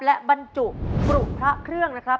และบรรจุปรุพระเครื่องนะครับ